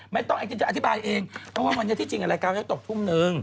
ไม่ต้องอธิบายเองเพราะว่าวันนี้ที่จริงรายการจะตกทุ่มหนึ่ง